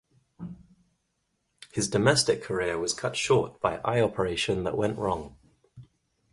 His domestic career was cut short by eye operation that went wrong.